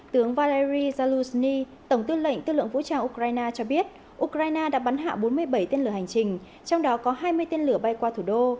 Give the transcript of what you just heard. tướng valeri zalu sni tổng tư lệnh tư lượng vũ trang ukraine cho biết ukraine đã bắn hạ bốn mươi bảy tên lửa hành trình trong đó có hai mươi tên lửa bay qua thủ đô